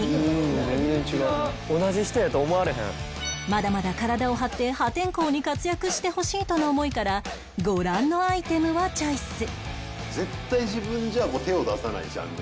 まだまだ体を張って破天荒に活躍してほしいとの思いからご覧のアイテムをチョイス